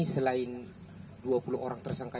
selain dua puluh orang tersangka